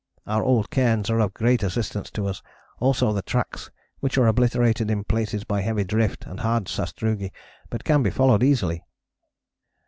Our old cairns are of great assistance to us, also the tracks, which are obliterated in places by heavy drift and hard sastrugi, but can be followed easily."